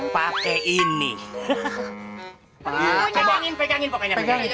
kalau nggak mempan juga kapak merah pak